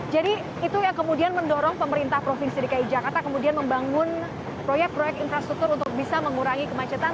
jadi itu yang kemudian mendorong pemerintah provinsi di kaya jakarta kemudian membangun proyek proyek infrastruktur untuk bisa mengurangi kemacetan